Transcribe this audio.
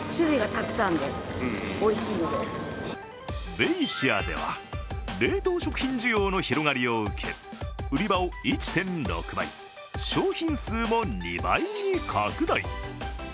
ベイシアでは冷凍食品需要の広がりを受け売り場を１．６倍、商品数も２倍に拡大